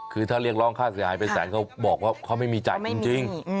คือถ้าเรียกร้องข้าตระกายไปแสนเขาบอกว่าเขาไม่มีใจจริง